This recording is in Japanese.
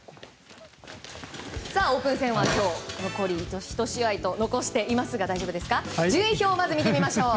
オープン戦は残り１試合残していますが順位表をまず見てみましょう。